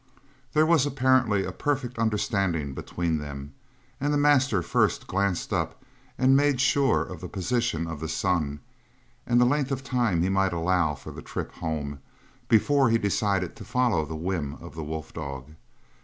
There was apparently a perfect understanding between them, and the master first glanced up and made sure of the position of the sun and the length of time he might allow for the trip home, before he decided to follow the whim of the wolf dog.